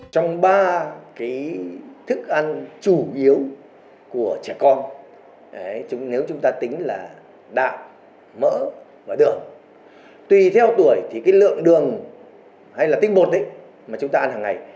trong ba thức ăn chủ yếu của trẻ con nếu chúng ta tính là đạm mỡ và đường tùy theo tuổi thì lượng đường hay tinh bột mà chúng ta ăn hàng ngày